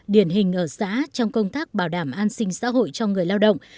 điển hình ở xã trong công tác bảo đảm an sinh xã hội cho người lao động